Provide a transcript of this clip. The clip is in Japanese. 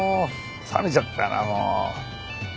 冷めちゃったなもう。